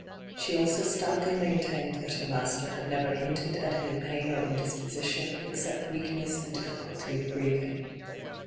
She also stoutly maintained that her master had never hinted at any pain or indisposition, except weakness and difficulty of breathing.